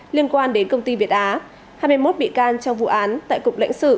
liên quan đến công ty việt á hai mươi một bị can trong vụ án tại cục lãnh sự